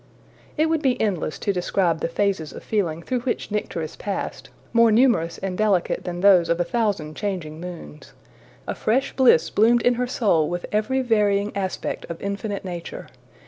It would be endless to describe the phases of feeling through which Nycteris passed, more numerous and delicate than those of a thousand changing moons. A fresh bliss bloomed in her soul with every varying aspect of infinite nature.